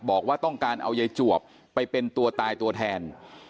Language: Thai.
บอกว่าต้องการเอายายจวบไปเป็นตัวตายตัวแทน